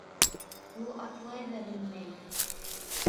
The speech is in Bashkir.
Ул атлай ҙа белмәй.